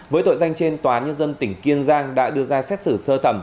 với tội danh trên tòa nhân dân tỉnh kiên giang đã đưa ra xét xử sơ thẩm